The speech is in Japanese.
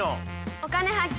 「お金発見」。